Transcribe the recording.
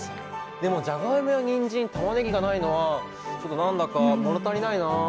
でもじゃがいもやにんじんたまねぎがないのはちょっと何だか物足りないな。